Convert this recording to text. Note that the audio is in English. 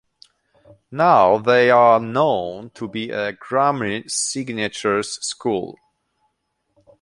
Now, they are known to be a Grammy Signatures School.